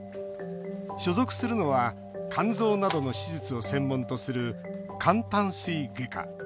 所属するのは肝臓などの手術を専門とする肝胆膵外科。